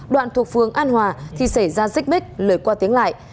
đoạn thuộc phường an hòa thì xảy ra xích bích lời qua tiếng lại